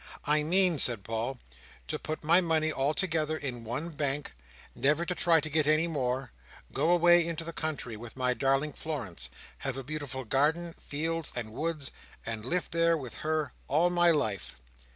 "I mean," said Paul, "to put my money all together in one Bank, never try to get any more, go away into the country with my darling Florence, have a beautiful garden, fields, and woods, and live there with her all my life!"